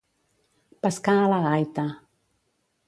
Pescar a la gaita.